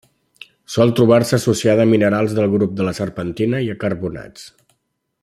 Sol trobar-se associada a minerals del grup de la serpentina i a carbonats.